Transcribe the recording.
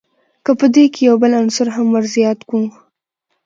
که په دې کښي یو بل عنصر هم ور زیات کو.